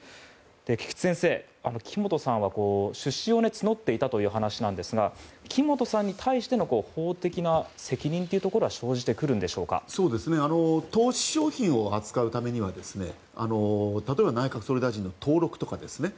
菊地先生、木本さんは出資を募っていたという話なんですが木本さんに対しての法的な責任というところは投資商品を扱うためには例えば内閣総理大臣の登録とかですね